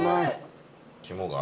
肝が？